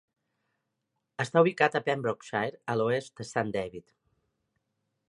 Està ubicat a Pembrokeshire, a l'oest de Saint David.